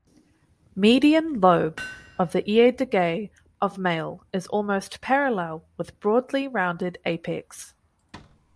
Median lobe of the aedeagus of male is almost parallel with broadly rounded apex.